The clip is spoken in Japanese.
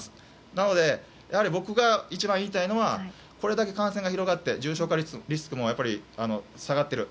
なので、やはり僕が一番言いたいのはこれだけ感染が広がって重症化リスクも下がっている。